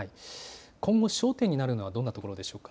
今後、焦点になるのはどんなところでしょうか。